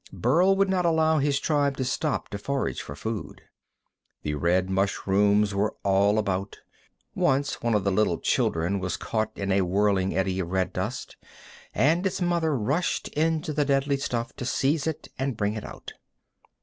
Burl would not allow his tribe to stop to forage for food. The red mushrooms were all about. Once one of the little children was caught in a whirling eddy of red dust, and its mother rushed into the deadly stuff to seize it and bring it out.